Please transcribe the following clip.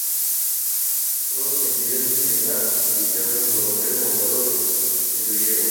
Todas coinciden en la aparición del Coronel montado en su yegua.